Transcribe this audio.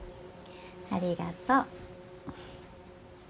ありがとう。